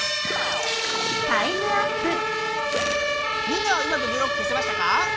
みんなはうまくブロック消せましたか？